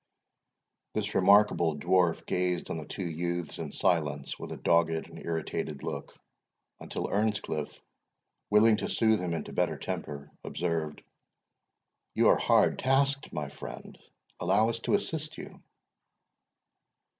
This remarkable Dwarf gazed on the two youths in silence, with a dogged and irritated look, until Earnscliff, willing to soothe him into better temper, observed, "You are hard tasked, my friend; allow us to assist you."